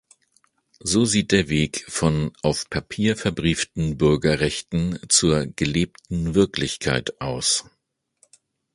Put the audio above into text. So sieht der Weg von auf Papier verbrieften Bürgerrechten zur gelebten Wirklichkeit aus.